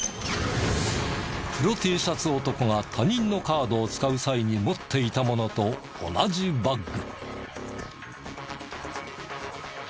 黒Ｔシャツ男が他人のカードを使う際に持っていたものと同じバッグ。